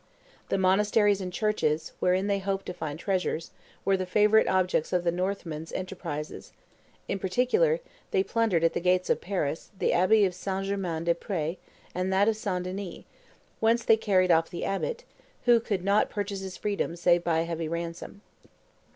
The monasteries and churches, wherein they hoped to find treasures, were the favorite objects of the Nortlimen's enterprises; in particular, they plundered, at the gates of Paris, the abbey of St. Germain des Pres and that of St. Denis, whence they carried off the abbot, who could not purchase his freedom, save by a heavy ransom.